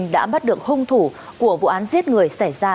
đã bắt được hung thủ của vụ án giết người xảy ra